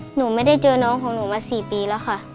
หนูไม่ได้เจอน้องของหนูมา๔ปีแล้วค่ะ